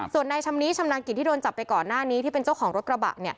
ส่วนในชำนี้ชำนาญกิจที่โดนจับไปก่อนหน้านี้ที่เป็นเจ้าของรถกระบะ